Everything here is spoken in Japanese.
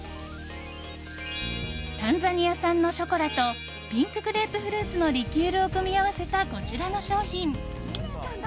タンザニア産のショコラとピンクグレープフルーツのリキュールを組み合わせたこちらの商品。